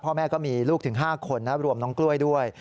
พ่อแม่ก็มีลูกถึง๕คนนะรวมน้องกล้วยด้วย